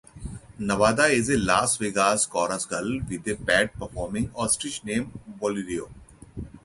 Nevada is a Las Vegas chorus girl with a pet performing ostrich named "Bolero".